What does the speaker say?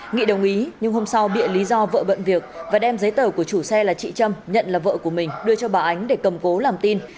nghị đồng ý nhưng hôm sau bịa lý do vợ bận việc và đem giấy tờ của chủ xe là chị trâm nhận là vợ của mình đưa cho bà ánh để cầm cố làm tin